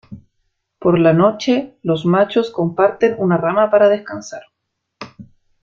Por la noche, los machos comparten una rama para descansar.